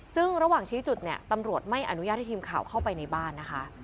ซึ่งระหว่างชี้จุดเนี่ยตำรวจไม่อนุญาตให้ทีมข่าวเข้าไปในบ้านนะคะ